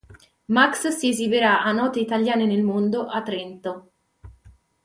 Max si esibirà a "Note italiane nel mondo" a Trento.